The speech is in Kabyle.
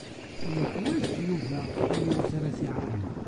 Yuḥwaǧ Yuba yiwet ara t-iɛawnen.